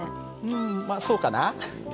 うんまあそうかな。